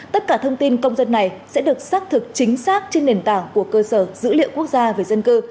tất cả thông tin công dân này sẽ được xác thực chính xác trên nền tảng của cơ sở dữ liệu quốc gia về dân cư